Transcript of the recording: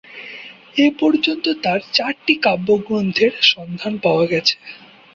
এ পর্যন্ত তার চারটি কাব্যগ্রন্থের সন্ধান পাওয়া গেছে।